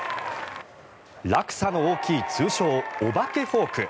落差の大きい通称・お化けフォーク。